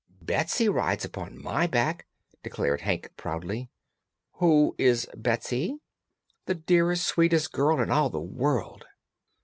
"Betsy rides upon my back," declared Hank proudly. "Who is Betsy?" "The dearest, sweetest girl in all the world!"